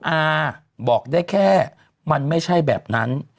อาบอกได้แค่มันไม่ใช่แบบนั้น